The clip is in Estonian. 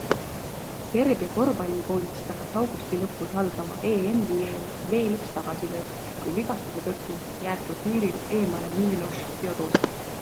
Serbia korvpallikoondist tabas augusti lõpus algava EMi eel veel üks tagasilöök, kui vigastuse tõttu jääb turniiril eemale Miloš Teodosic.